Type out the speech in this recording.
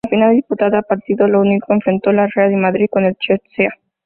La final, disputada a partido único, enfrentó al Real Madrid con el Chelsea.